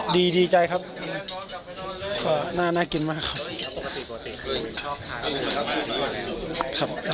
ดีใจครับน่ากินมากครับ